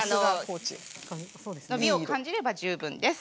伸びを感じれば十分です。